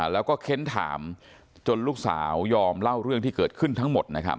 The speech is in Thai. แล้วก็เค้นถามจนลูกสาวยอมเล่าเรื่องที่เกิดขึ้นทั้งหมดนะครับ